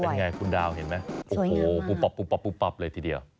เป็นไงคุณดาวเห็นไหมโอ้โหปุ๊บปับปุ๊บปับเลยทีเดียว